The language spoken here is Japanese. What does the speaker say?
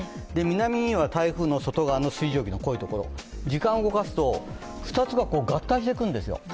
南には台風の水蒸気の濃いところ、時間を動かすと、２つが合体していくんですよ。